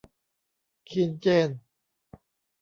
คินเจน